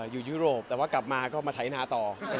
ยุโรปแต่ว่ากลับมาก็มาไถนาต่อ